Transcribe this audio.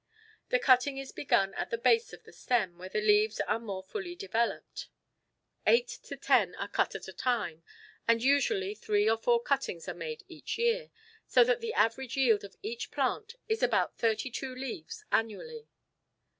The cutting is begun at the base of the stem, where the leaves are more fully developed. Eight to ten are cut at a time, and usually three or four cuttings are made each year, so that the average yield of each plant is about thirty two leaves annually.